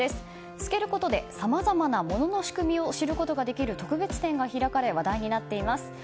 透けることで、さまざまな物の仕組みを知ることができる特別展が開かれ話題になっています。